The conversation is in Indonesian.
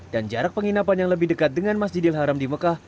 dan jarak penginapan yang lebih dekat dengan masjidil haram di mekah